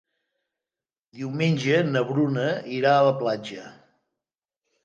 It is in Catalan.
Diumenge na Bruna irà a la platja.